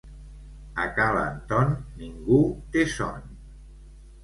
A ca l'Anton ningú té son